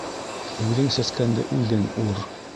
Үҙең сәскәнде үҙең ур.